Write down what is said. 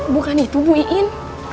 bukan itu bu iin